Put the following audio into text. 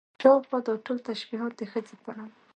شاوخوا دا ټول تشبيهات د ښځې په اړه